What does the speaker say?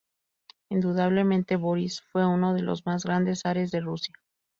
Indudablemente Borís fue uno de los más grandes zares de Rusia.